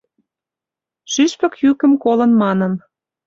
Шӱшпык йӱкым колын манын